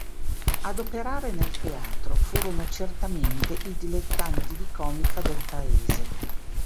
Ad operare nel teatro furono certamente i dilettanti di comica del paese.